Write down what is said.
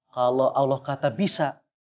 kalau allah kata bisa